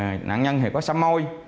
rồi nạn nhân thì có xăm môi